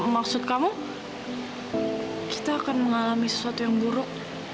maksud kamu kita akan mengalami sesuatu yang buruk